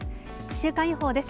週間予報です。